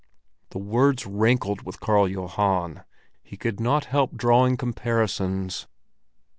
The words rankled with Karl Johan, he could not help drawing comparisons.